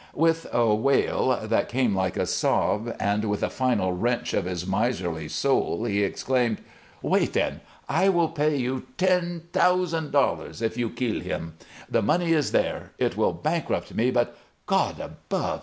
With a wail that came like a sob and with a final wrench of his miserly soul, he exclaimed: "Wait, then! I will pay you ten thousand dollars if you kill him. The money is there. It will bankrupt me; but God above!